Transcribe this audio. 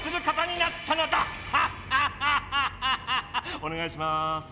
おねがいします。